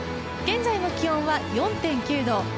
現在の気温は４．９度。